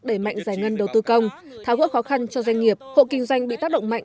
đẩy mạnh giải ngân đầu tư công tháo gỡ khó khăn cho doanh nghiệp hộ kinh doanh bị tác động mạnh